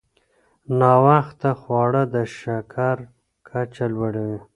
ناوخته خواړه د شکر کچه لوړوي.